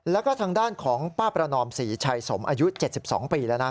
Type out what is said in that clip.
แล้วก็ทางด้านของป้าประนอมศรีชัยสมอายุ๗๒ปีแล้วนะ